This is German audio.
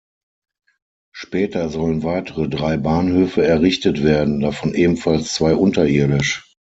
Später sollen weitere drei Bahnhöfe errichtet werden, davon ebenfalls zwei unterirdisch.